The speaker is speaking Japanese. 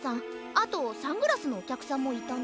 あとサングラスのおきゃくさんもいたな。